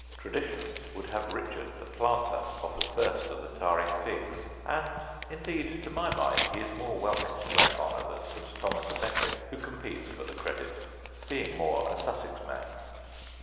Tradition would have Richard the planter of the first of the Tarring figs, and indeed, to my mind, he is more welcome to that honour than Saint Thomas à Becket, who competes for the credit being more a Sussex man.